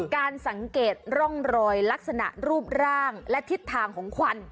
การสังเกตร่องรอยลักษณะรูปร่างและทิศทางของควัน